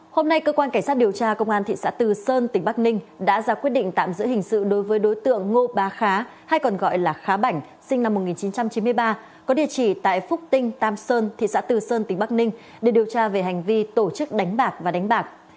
hôm nay cơ quan cảnh sát điều tra công an thị xã từ sơn tỉnh bắc ninh đã ra quyết định tạm giữ hình sự đối với đối tượng ngô bá khá hay còn gọi là khá bảnh sinh năm một nghìn chín trăm chín mươi ba có địa chỉ tại phúc tinh tam sơn thị xã từ sơn tỉnh bắc ninh để điều tra về hành vi tổ chức đánh bạc và đánh bạc